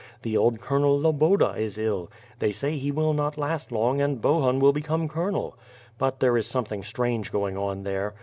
The old Colonel Loboda is ill. They say he will not last long and Bohun will become Colonel. .. But there is something strange going on there.